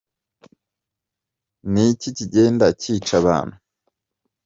Ni iki kigenda cyica abantu